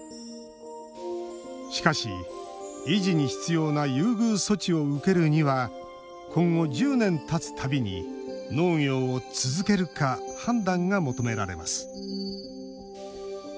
しかし、維持に必要な優遇措置を受けるには今後１０年たつたびに農業を続けるか判断が求められます。